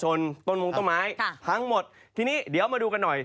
หลังหมดทีนี้เดี๋ยวมาดูกันหน่อย